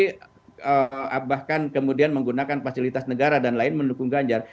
tapi bahkan kemudian menggunakan fasilitas negara dan lain mendukung ganjar